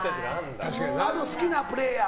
あと好きなプレーヤー。